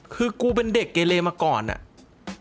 คือกูเป็นเด็กเกเลย์มาก่อนเนี้ย